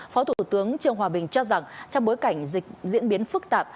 phó thủ tướng trương hòa bình cho rằng trong bối cảnh dịch diễn biến phức tạp